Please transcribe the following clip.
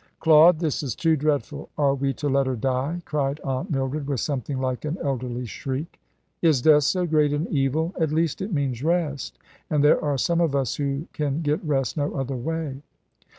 "Claude, this is too dreadful. Are we to let her die?" cried Aunt Mildred, with something like an elderly shriek. "Is death so great an evil? At least it means rest, and there are some of us who can get rest no other way."